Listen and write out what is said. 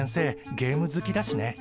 ゲーム好きだしね。